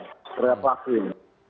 terhadap pelaku ini